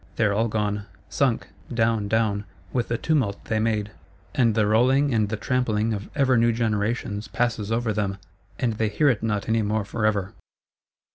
They are all gone; sunk,—down, down, with the tumult they made; and the rolling and the trampling of ever new generations passes over them, and they hear it not any more forever.